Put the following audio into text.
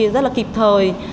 rất là kịp thời